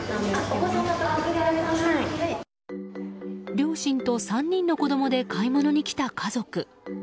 両親と３人の子供で買い物に来た家族。